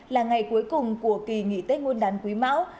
là ngày cuối cùng của kỳ nghỉ tết nguyên đán quý mão